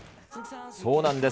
そうなんです。